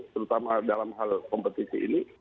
terutama dalam hal kompetisi ini